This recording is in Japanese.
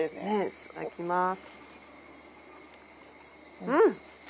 いただきます。